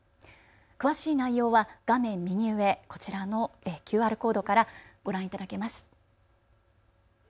詳しい内容は画面右上、こちらのＱＲコードからご覧いただけます。